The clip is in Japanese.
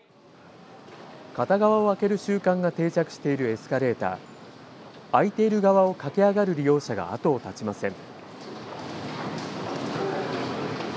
片側を空ける習慣が定着しているエスカレーター空いている側を駆け上がる利用者が後を絶ちません。